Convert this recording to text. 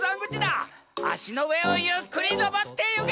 あしのうえをゆっくりのぼってゆけ！